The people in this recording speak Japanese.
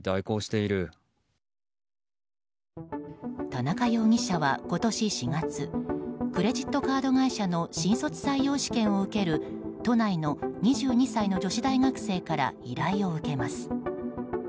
田中容疑者は今年４月クレジットカード会社の新卒採用試験を受ける都内の２２歳の女子大学生から依頼を受けます。